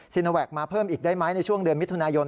โนแวคมาเพิ่มอีกได้ไหมในช่วงเดือนมิถุนายน